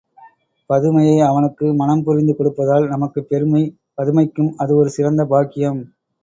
பதுமையை அவனுக்கு மணம்புரிந்து கொடுப்பதால் நமக்கும் பெருமை பதுமைக்கும் அது ஒரு சிறந்த பாக்கியம்.